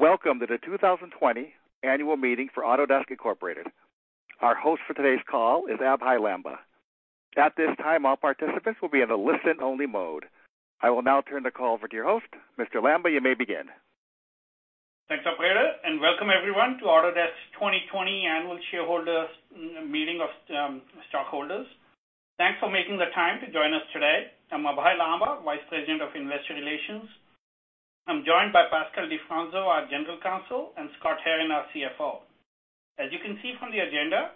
Welcome to the 2020 annual meeting for Autodesk Incorporated. Our host for today's call is Abhey Lamba. At this time, all participants will be in the listen only mode. I will now turn the call over to your host. Mr. Lamba, you may begin. Thanks, operator. Welcome everyone to Autodesk 2020 Annual Shareholders Meeting of Stockholders. Thanks for making the time to join us today. I'm Abhey Lamba, Vice President, Investor Relations. I'm joined by Pascal Di Fronzo, our General Counsel, and Scott Herren, our CFO. As you can see from the agenda,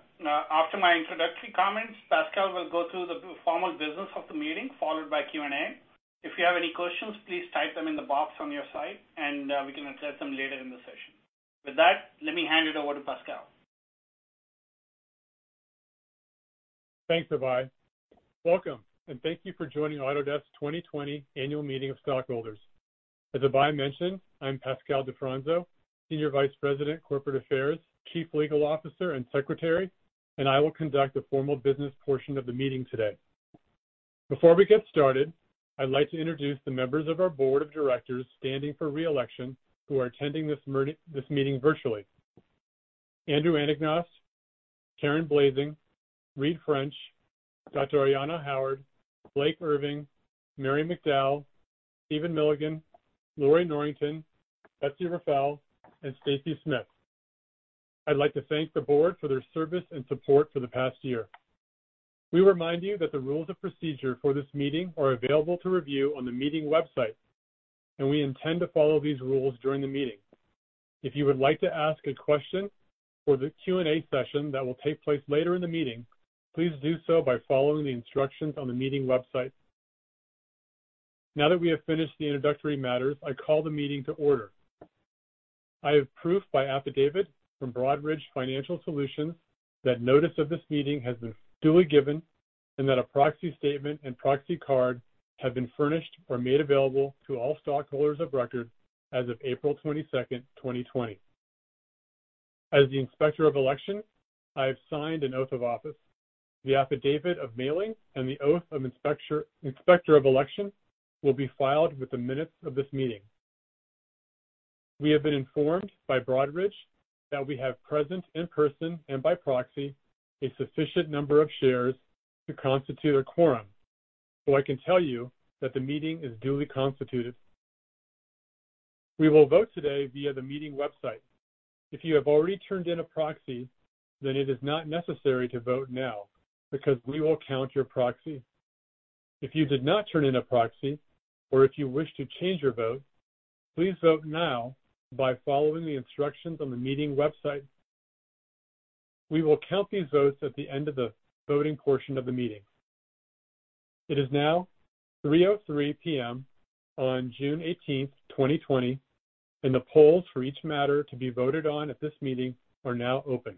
after my introductory comments, Pascal will go through the formal business of the meeting, followed by Q&A. If you have any questions, please type them in the box on your side. We can address them later in the session. With that, let me hand it over to Pascal. Thanks, Abhey. Welcome, and thank you for joining Autodesk 2020 Annual Meeting of Stockholders. As Abhey mentioned, I'm Pascal Di Fronzo, Senior Vice President, Corporate Affairs, Chief Legal Officer, and Secretary, and I will conduct the formal business portion of the meeting today. Before we get started, I'd like to introduce the members of our board of directors standing for re-election who are attending this meeting virtually. Andrew Anagnost, Karen Blasing, Reid French, Dr. Ayanna Howard, Blake Irving, Mary McDowell, Stephen Milligan, Lorrie Norrington, Betsy Rafael, and Stacy Smith. I'd like to thank the board for their service and support for the past year. We remind you that the rules of procedure for this meeting are available to review on the meeting website. We intend to follow these rules during the meeting. If you would like to ask a question for the Q&A session that will take place later in the meeting, please do so by following the instructions on the meeting website. Now that we have finished the introductory matters, I call the meeting to order. I have proof by affidavit from Broadridge Financial Solutions that notice of this meeting has been duly given and that a proxy statement and proxy card have been furnished or made available to all stockholders of record as of April 22nd, 2020. As the Inspector of Election, I have signed an oath of office. The affidavit of mailing and the oath of Inspector of Election will be filed with the minutes of this meeting. We have been informed by Broadridge that we have present in person and by proxy, a sufficient number of shares to constitute a quorum. I can tell you that the meeting is duly constituted. We will vote today via the meeting website. If you have already turned in a proxy, then it is not necessary to vote now because we will count your proxy. If you did not turn in a proxy or if you wish to change your vote, please vote now by following the instructions on the meeting website. We will count these votes at the end of the voting portion of the meeting. It is now 3:03 P.M. on June 18th, 2020. The polls for each matter to be voted on at this meeting are now open.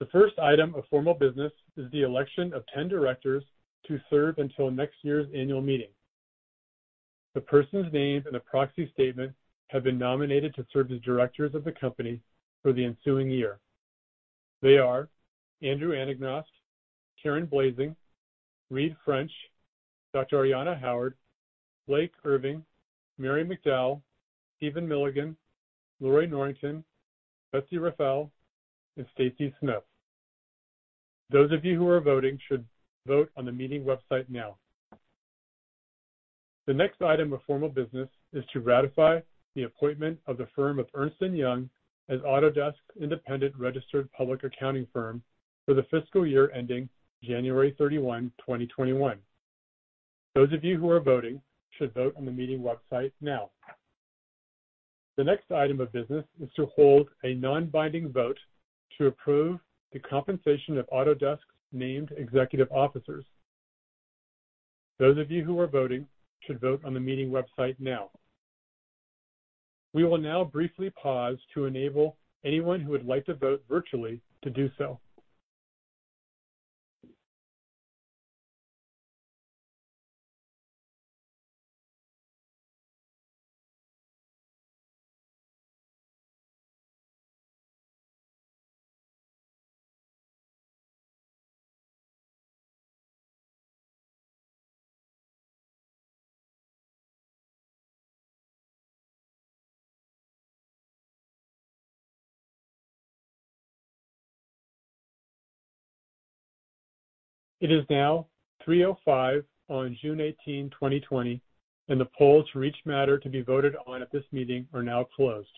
The first item of formal business is the election of 10 directors to serve until next year's annual meeting. The persons named in the proxy statement have been nominated to serve as directors of the company for the ensuing year. They are Andrew Anagnost, Karen Blasing, Reid French, Dr. Ayanna Howard, Blake Irving, Mary McDowell, Stephen Milligan, Lorrie Norrington, Betsy Rafael, and Stacy Smith. Those of you who are voting should vote on the meeting website now. The next item of formal business is to ratify the appointment of the firm of Ernst & Young as Autodesk's independent registered public accounting firm for the fiscal year ending January 31, 2021. Those of you who are voting should vote on the meeting website now. The next item of business is to hold a non-binding vote to approve the compensation of Autodesk's named executive officers. Those of you who are voting should vote on the meeting website now. We will now briefly pause to enable anyone who would like to vote virtually to do so. It is now 3:05 P.M. on June 18, 2020, and the polls for each matter to be voted on at this meeting are now closed.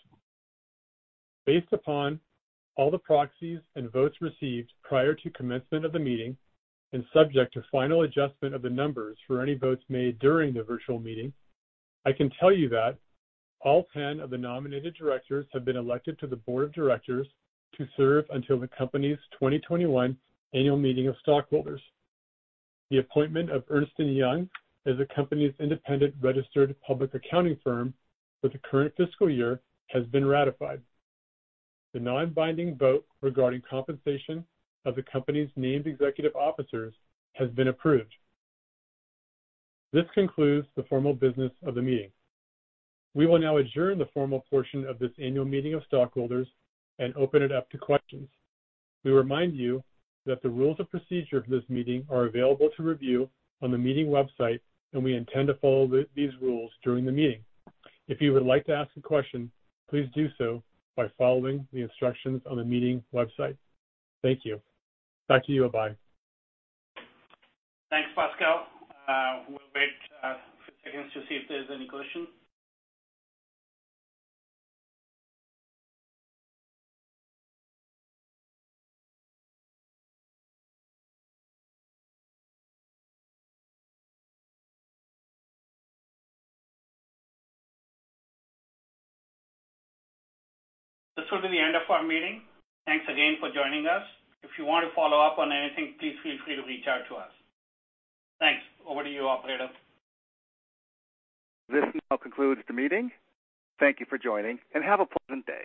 Based upon all the proxies and votes received prior to commencement of the meeting, and subject to final adjustment of the numbers for any votes made during the virtual meeting, I can tell you that all 10 of the nominated directors have been elected to the board of directors to serve until the company's 2021 annual meeting of stockholders. The appointment of Ernst & Young as the company's independent registered public accounting firm for the current fiscal year has been ratified. The non-binding vote regarding compensation of the company's named executive officers has been approved. This concludes the formal business of the meeting. We will now adjourn the formal portion of this annual meeting of stockholders and open it up to questions. We remind you that the rules of procedure for this meeting are available to review on the meeting website, and we intend to follow these rules during the meeting. If you would like to ask a question, please do so by following the instructions on the meeting website. Thank you. Back to you, Abhey. Thanks, Pascal. We'll wait a few seconds to see if there's any question. This will be the end of our meeting. Thanks again for joining us. If you want to follow up on anything, please feel free to reach out to us. Thanks. Over to you, operator. This now concludes the meeting. Thank you for joining, and have a pleasant day.